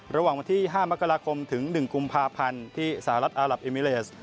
ระหว่างวันที่๕มกราคมถึง๑กุมภาพันธ์ที่สหรัฐอารับเอมิเลส